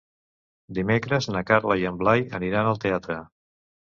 Dimecres na Carla i en Blai aniran al teatre.